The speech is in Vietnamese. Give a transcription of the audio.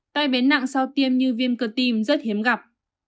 tai bến nặng sau tiêm như viêm cơ tiêm rất hiếm gặp